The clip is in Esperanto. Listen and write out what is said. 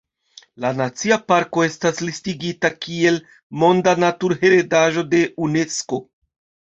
La nacia parko estas listigita kiel Monda Naturheredaĵo de Unesko.